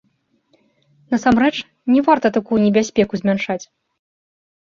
Насамрэч, не варта такую небяспеку змяншаць.